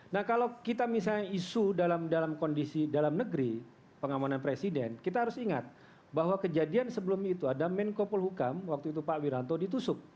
nah kalau kita misalnya isu dalam kondisi dalam negeri pengamanan presiden kita harus ingat bahwa kejadian sebelum itu ada menko polhukam waktu itu pak wiranto ditusuk